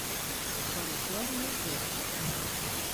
Korrizjearje wurd.